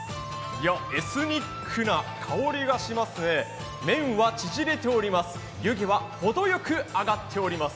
エスニックな香りがしますね、麺は縮れております。